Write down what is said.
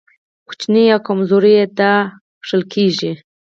کوچني او کمزوري دا يې کښل کېږي.